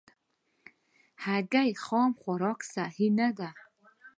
هګۍ خام خوراک صحي نه ده.